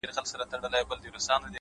پوهه د تصمیمونو وزن درک کوي،